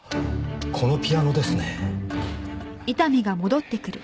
このピアノですね。